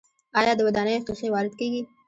آیا د ودانیو ښیښې وارد کیږي؟